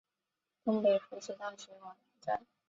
东北福祉大学网站